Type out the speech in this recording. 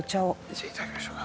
じゃあ頂きましょうか。